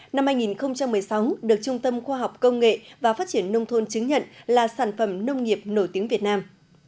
năm hai nghìn một mươi sáu được trung tâm khoa học công nghệ và phát triển nông thôn chứng nhận là sản phẩm nông nghiệp nổi tiếng việt nam